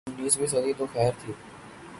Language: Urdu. انیسویں صدی تو خیر تھی۔